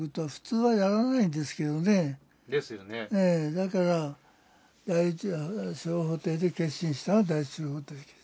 だから第一小法廷で結審したら第一小法廷で。